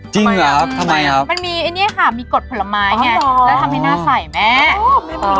จริงหรือครับทำไมครับมันมีกรดผลไม้และทำให้หน้าใส่แม่